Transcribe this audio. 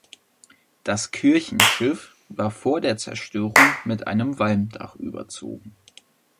Das Kirchenschiff war vor der Zerstörung mit einem Walmdach überzogen.